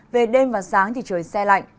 về đêm và sáng thì trời xe lạnh